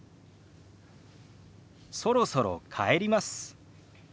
「そろそろ帰ります」。